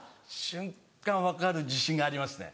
瞬間分かる自信がありますね。